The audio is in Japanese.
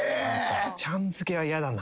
ちゃんづけはやだな。